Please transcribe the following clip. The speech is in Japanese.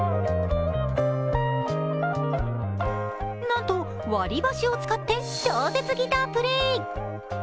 なんと割り箸を使って超絶ギタープレイ。